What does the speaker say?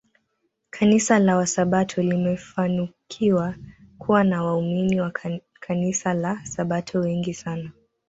Kanisa la wasabato limefanukiwa kuwa na waumini wa kanisla la Sabato wengi sana